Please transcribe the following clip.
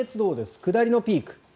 下りのピーク